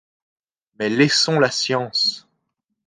Mais laissons la science.